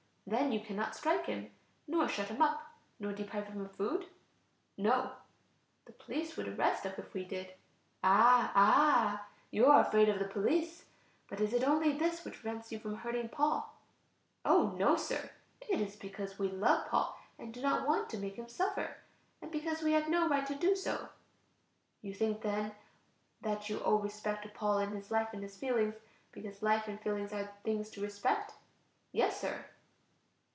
Then you cannot strike him, nor shut him up, nor deprive him of food? No. The police would arrest us if we did. Ah! ah! you are afraid of the police. But is it only this which prevents you from hurting Paul? Oh! no, Sir. It is because we love Paul and do not want to make him suffer, and because we have no right to do so. You think then that you owe respect to Paul in his life and his feelings, because life and feeling are things to respect? Yes, sir.